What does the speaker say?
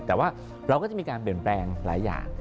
แต่ว่าเราก็จะมีการเปลี่ยนแปลงหลายอย่าง